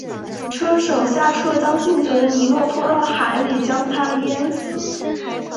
车手下车将幸存的尼诺拖到海里将他淹死。